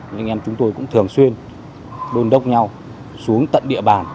những em chúng tôi cũng thường xuyên đôn đốc nhau xuống tận địa bàn